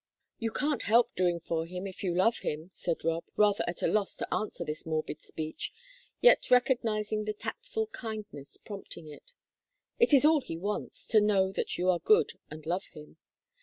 "You can't help doing for him if you love him," said Rob, rather at a loss to answer this morbid speech, yet recognizing the tactful kindness prompting it. "It is all he wants, to know that you are good and love him.